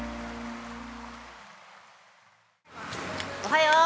おはよう！